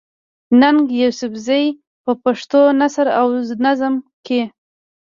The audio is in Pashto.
ننګ يوسفزۍ په پښتو نثر او نظم کښې